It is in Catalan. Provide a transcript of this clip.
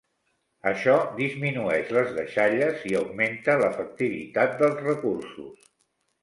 Això disminueix les deixalles i augmenta l'efectivitat dels recursos.